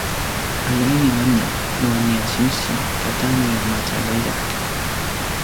ayain amen nua nia sinsi kata nia matjaljaljak